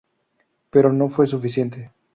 Pero no fue suficiente.